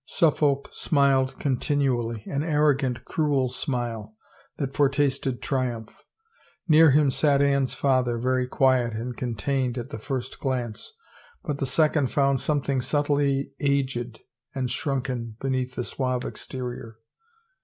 Suffolk smiled continually, an arrogant, cruel smile, that foretasted triumph. Near him sat Anne's father, very quiet and contained at the first glance, but the second found something subtly aged and shrunken beneath the suave exterior.